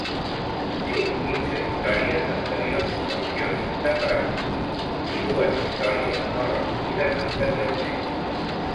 Conté quinze històries d'anteriors col·leccions de Bradbury, i dues històries no recollides anteriorment.